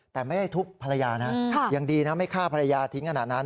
แต่ไม่ได้ทุบภรรยานะยังดีนะไม่ฆ่าภรรยาทิ้งขนาดนั้น